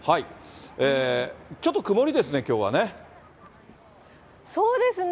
ちょっと曇りですね、そうですね。